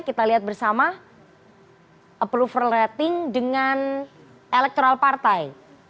kita lihat bersama approval rating dengan elektoral partai